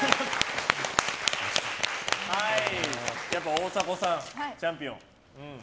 大迫さん、チャンピオン。